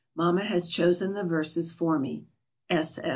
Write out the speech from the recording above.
Mamma has chosen the verses for me.